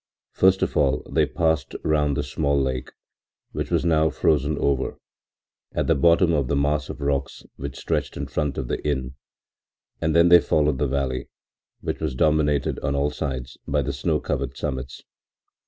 First of all they passed round the small lake, which was now frozen over, at the bottom of the mass of rocks which stretched in front of the inn, and then they followed the valley, which was dominated on all sides by the snow covered summits.